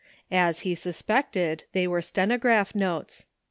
As he suspected, they were stenograph notes.